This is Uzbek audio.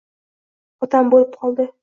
Otam olib qoldi